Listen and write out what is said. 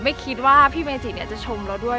ไม่คิดว่าพี่เวจิจะชมเราด้วย